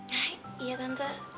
hah iya tante